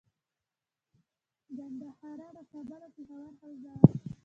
ګندهارا د کابل او پیښور حوزه وه